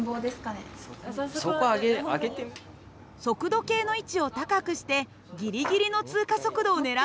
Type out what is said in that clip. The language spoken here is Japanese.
速度計の位置を高くしてギリギリの通過速度を狙うようです。